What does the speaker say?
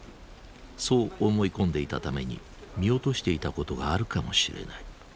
そう思い込んでいたために見落としていたことがあるかもしれない。